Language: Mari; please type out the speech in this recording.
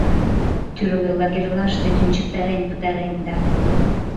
— Тӱрлӧ лагерьлаште тӱнчыктарен пытаренда...